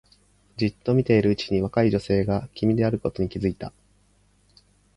じっと見ているうちに若い女性が君であることに気がついた